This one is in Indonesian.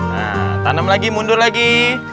nah tanam lagi mundur lagi